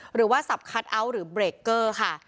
หรือว่าสับคัทเอาท์หรือเบรกเกอร์ค่ะ